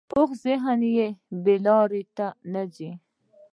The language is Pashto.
پوخ ذهن بې لارې نه ځي